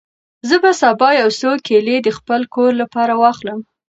زه به سبا یو څو کیلې د خپل کور لپاره واخلم.